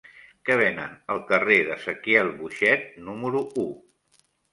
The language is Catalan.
Què venen al carrer d'Ezequiel Boixet número u?